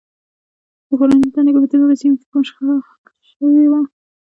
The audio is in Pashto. د کورنۍ دندې په توګه که په سیمه کې کومه شخړه حل شوې وي.